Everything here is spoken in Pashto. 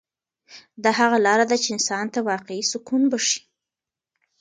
دا هغه لاره ده چې انسان ته واقعي سکون بښي.